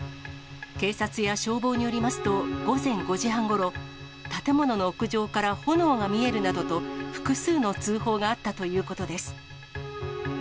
警察や消防によりますと、午前５時半ごろ、建物の屋上から炎が見えるなどと、複数の通報があったということです。